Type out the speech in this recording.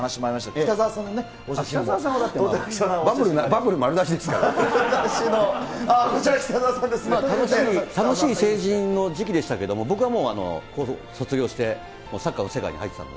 北澤さんは当然、バブル丸出こちら、北澤さんの。楽しい成人の時期でしたけども、僕はもう、高校卒業して、サッカーの世界に入っていたので。